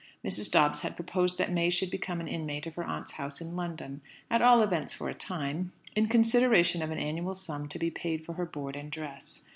Mrs. Dobbs had proposed that May should become an inmate of her aunt's house in London at all events for a time in consideration of an annual sum to be paid for her board and dress.